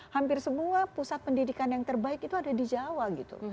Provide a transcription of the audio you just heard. hampir semua pusat pendidikan yang terbaik itu ada di jawa gitu